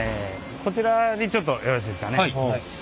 こちらにちょっとよろしいですかね。